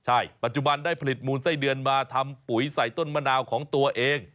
ใช่ปัจจุบันได้ผลิตมูลไส้เดือนมาทำปุ๋ยใส่ต้นมะนาวของตัวเอง